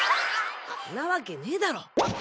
んなわけねぇだろ。